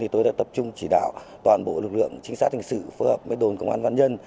tôi đã tập trung chỉ đạo toàn bộ lực lượng trinh sát hình sự phối hợp với đồn công an văn nhân